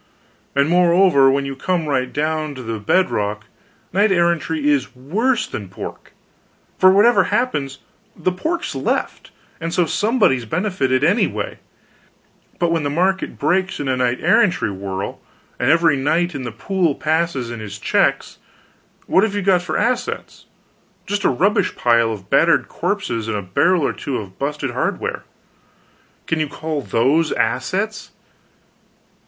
And, moreover, when you come right down to the bedrock, knight errantry is worse than pork; for whatever happens, the pork's left, and so somebody's benefited anyway; but when the market breaks, in a knight errantry whirl, and every knight in the pool passes in his checks, what have you got for assets? Just a rubbish pile of battered corpses and a barrel or two of busted hardware. Can you call those assets?